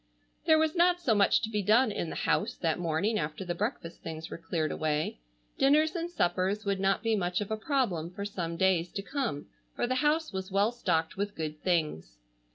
There was not so much to be done in the house that morning after the breakfast things were cleared away. Dinners and suppers would not be much of a problem for some days to come, for the house was well stocked with good things.